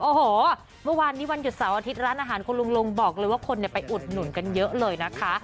โอ้โหเมื่อวานนี้วันหยุดเสาร์อาทิตย์ร้านอาหารคุณลุงลุงบอกเลยว่าคนไปอุดหนุนกันเยอะเลยนะคะ